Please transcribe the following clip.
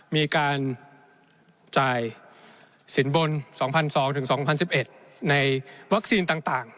มีการจ่ายสินบน๒๒๐๐๒๐๑๑ในวัคซีนต่าง